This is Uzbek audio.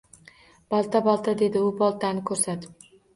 Balta, balta, – dedi u boltani koʻrsatib.